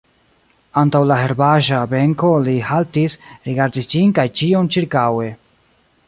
Antaŭ la herbaĵa benko li haltis, rigardis ĝin kaj ĉion ĉirkaŭe.